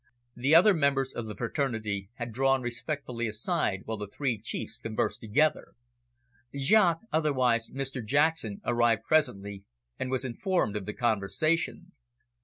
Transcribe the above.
The other members of the fraternity had drawn respectfully aside while the three chiefs conversed together. Jaques, otherwise Mr Jackson, arrived presently, and was informed of the conversation.